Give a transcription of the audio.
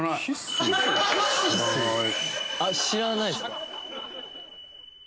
あっ知らないですか？